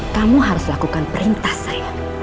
kamu harus lakukan perintah saya